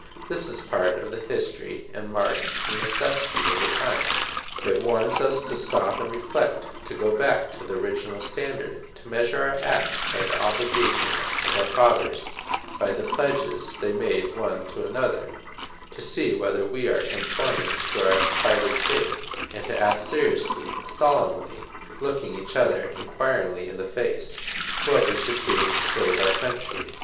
This is part of the history and marks the necessity of the times. It warns us to stop and reflect, to go back to the original standard, to measure our acts by the obligation of our fathers, by the pledges they made one to the other, to see whether we are conforming to our plighted faith, and to ask seriously, solemnly, looking each other inquiringly in the face, what we should do to save our country.